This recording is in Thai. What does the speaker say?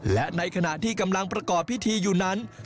และในขณะที่กำลังประกอบพิธีอยู่นั้น